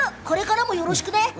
これからもよろしくね。